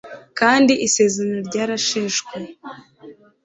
kandi isezerano ryarasheshwe